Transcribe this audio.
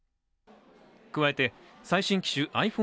加えて最新機種